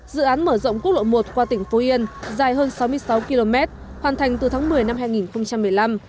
dự án mở rộng quốc lộ một qua tỉnh phú yên dài hơn sáu mươi sáu km hoàn thành từ tháng một mươi năm hai nghìn một mươi năm